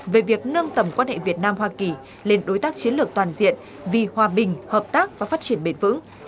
về việc nâng tầm quan hệ việt nam hoa kỳ lên đối tác chiến lược toàn diện vì hòa bình hợp tác và phát triển bền vững